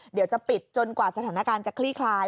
เดี๋ยวจะปิดจนกว่าสถานการณ์จะคลี่คลาย